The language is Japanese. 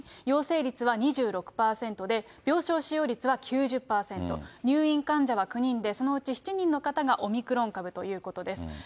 陽性率は２６％で、病床使用率は９０％、入院患者は９人で、そのうち方がオミクロン株ということです。